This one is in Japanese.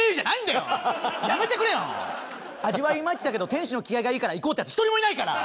「味はいまいちだけど店主の気合がいいから行こう」ってヤツ１人もいないから！